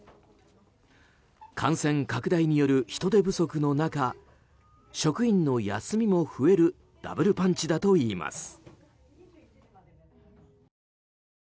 感染拡大による人手不足の中職員の休みも増えるダブルパンチだといいます。